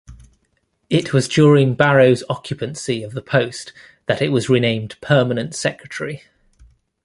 It was during Barrow's occupancy of the post that it was renamed "Permanent" Secretary".